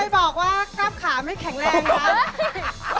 บอกว่ากล้ามขาไม่แข็งแรงนะ